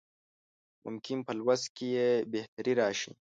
ممکن په لوست کې یې بهتري راشي.